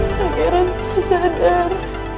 pangeran tidak sadar